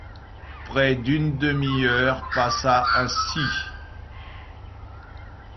Près d’une demi-heure passa ainsi.